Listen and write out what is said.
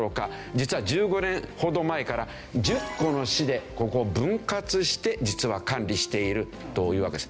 実は１５年ほど前から１０個の市でここを分割して実は管理しているというわけです。